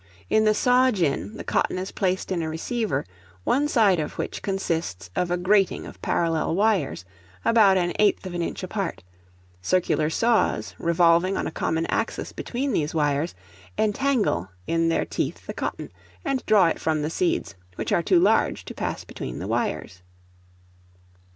In the saw gin, the cotton is placed in a receiver, one side of which consists of a grating of parallel wires, about an eighth of an inch apart; circular saws, revolving on a common axis between these wires, entangle in their teeth the cotton, and draw it from the seeds, which are too large to pass between the wires.